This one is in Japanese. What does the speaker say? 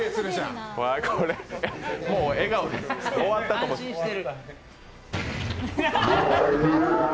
もう笑顔です、終わったと思って。